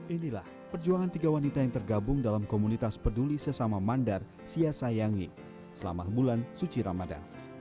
inilah perjuangan tiga wanita yang tergabung dalam komunitas peduli sesama mandar sia sayangi selama bulan suci ramadan